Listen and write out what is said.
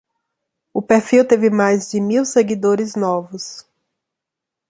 O perfil teve mais de mil seguidores novos